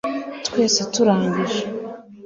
twese turangije